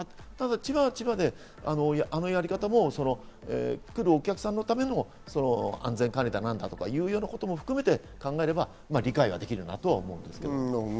千葉は千葉で、あのやり方も来るお客さんのための安全管理だ何だということも含めて考えれば理解ができるなとは思うんですけどね。